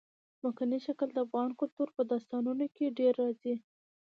ځمکنی شکل د افغان کلتور په داستانونو کې ډېره راځي.